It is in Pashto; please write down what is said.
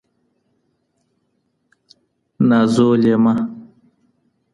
نازولېمه